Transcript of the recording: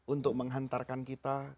untuk menghantarkan kita